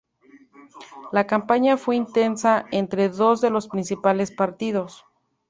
La campaña fue intensa entre dos de los principales partidos.